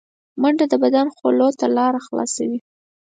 منډه د بدن خولو ته لاره خلاصوي